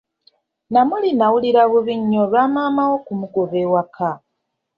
Namuli n'awulira bubi nnyo olwa maama we okumugoba ewaka.